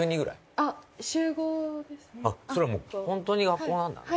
あっそれはもう本当に学校なんだね。